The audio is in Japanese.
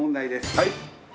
はい。